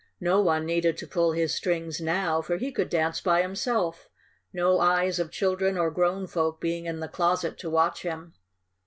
No one needed to pull his strings now, for he could dance by himself, no eyes of children or grown folk being in the closet to watch him.